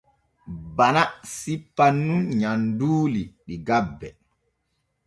Bana sippan nun nyamduuli ɗi gabbe.